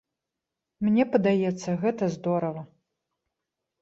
Мне падаецца, гэта здорава.